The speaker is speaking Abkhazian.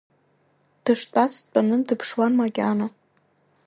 Дыштәац дтәаны дыԥшуан макьана.